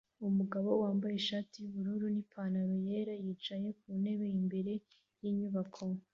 Umugabo wambaye ishati yubururu nipantaro yera yicaye ku ntebe imbere yinyubako